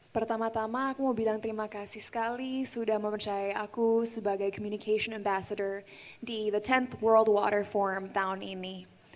pertama tama aku mau bilang terima kasih sekali sudah mempercayai aku sebagai communication ambassador di the tente world water forum tahun ini